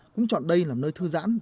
cũng chọn đây làm nơi thư giãn